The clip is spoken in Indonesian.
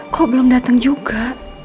kok belum dateng juga